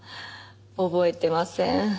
覚えてません。